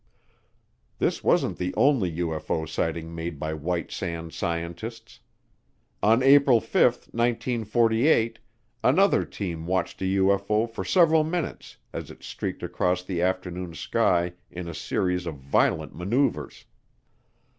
This wasn't the only UFO sighting made by White Sands scientists. On April 5, 1948, another team watched a UFO for several minutes as it streaked across the afternoon sky in a series of violent maneuvers.